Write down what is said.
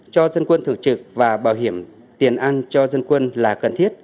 cho dân quân thường trực và bảo hiểm tiền ăn cho dân quân là cần thiết